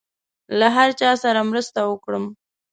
له هر چا سره مرسته وکړم.